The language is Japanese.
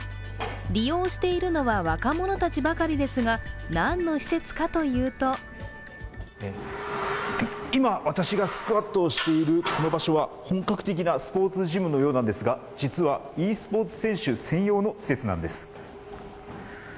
利用しているのは若者たちばかりですが、何の施設かというと今、私がスクワットをしているこの場所は本格的なスポーツジムのようなんですが、実はｅスポーツ選手専用の施設なんです。